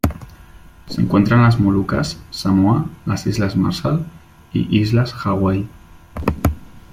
Se encuentra en las Molucas, Samoa, las Islas Marshall y Islas Hawaii.